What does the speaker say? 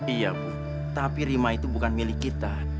iya bu tapi rima itu bukan milik kita